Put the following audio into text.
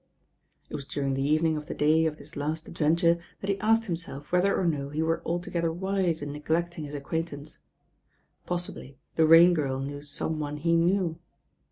It was during the evening of the day of this last adventure that he asked himself whether or no he were altogether wise in neglecting his acquaintance. Possibly the Rain Girl knew some one he knew.